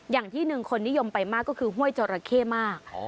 อย่างที่หนึ่งคนนิยมไปมากก็คือห้วยจราเข้มาก